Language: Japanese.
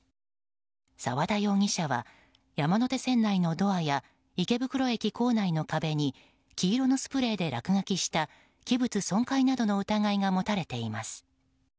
沢田容疑者は山手線内のドアや池袋駅構内の壁に黄色のスプレーで落書きした器物損壊などの疑いが持たれています。